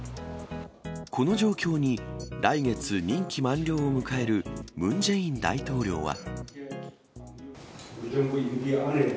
この状況に来月、任期満了を迎えるムン・ジェイン大統領は。